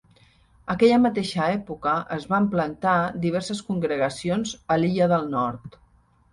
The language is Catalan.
Aquella mateixa època es van plantar diverses congregacions a l'Illa del Nord.